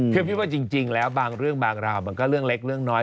คือพี่ว่าจริงแล้วบางเรื่องบางราวมันก็เรื่องเล็กเรื่องน้อย